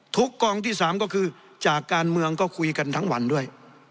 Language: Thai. กองที่๓ก็คือจากการเมืองก็คุยกันทั้งวันด้วย